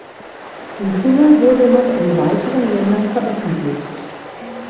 Die Single wurde noch in weiteren Ländern veröffentlicht.